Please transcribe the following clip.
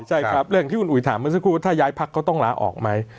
ใช่ครับเรื่องที่คุณอุ๋ยถามเมื่อสักครู่ว่าถ้าย้ายพักเขาต้องลาออกไหม